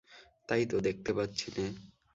তাই তো, দেখতে তো পাচ্ছিনে!